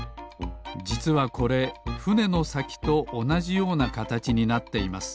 じつはこれふねのさきとおなじようなかたちになっています